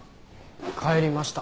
帰りました。